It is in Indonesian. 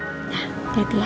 udah berarti ya